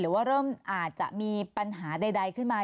หรือว่าเริ่มอาจจะมีปัญหาใดขึ้นมา